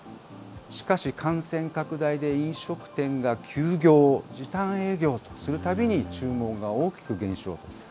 しかし、感染拡大で飲食店が休業、時短営業とするたびに注文が大きく減少。